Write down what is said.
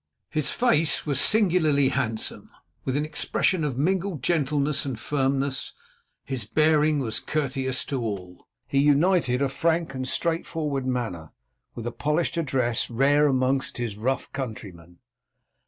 His face was singularly handsome, with an expression of mingled gentleness and firmness. His bearing was courteous to all. He united a frank and straightforward manner with a polished address rare among his rough countrymen.